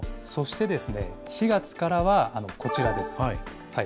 そして４月からは、こちらです。